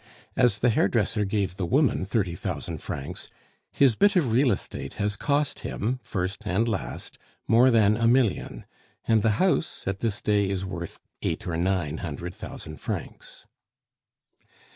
As the hairdresser gave the woman thirty thousand francs, his bit of real estate has cost him, first and last, more than a million, and the house at this day is worth eight or nine hundred thousand francs.